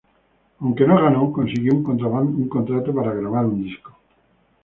Aunque no ganó, consiguió un contrato para grabar un disco.